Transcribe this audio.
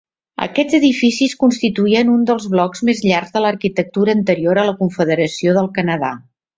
Aquests edificis constituïen un dels blocs més llargs de l'arquitectura anterior a la Confederació del Canadà.